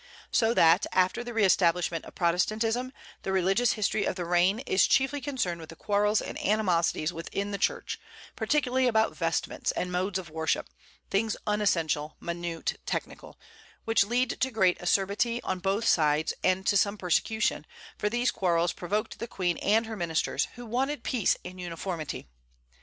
So that, after the re establishment of Protestantism, the religious history of the reign is chiefly concerned with the quarrels and animosities within the Church, particularly about vestments and modes of worship, things unessential, minute, technical, which led to great acerbity on both sides, and to some persecution; for these quarrels provoked the Queen and her ministers, who wanted peace and uniformity.